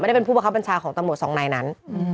ได้เป็นผู้ประคับบัญชาของตำรวจสองนายนั้น